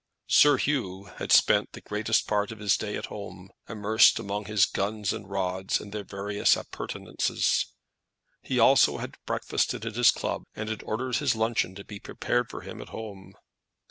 Sir Hugh had spent the greatest part of this day at home, immersed among his guns and rods, and their various appurtenances. He also had breakfasted at his club, but had ordered his luncheon to be prepared for him at home.